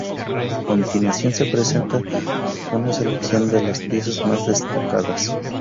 A continuación se presenta una selección de las piezas más destacadas.